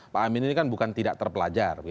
pak amin ini kan bukan tidak terpelajar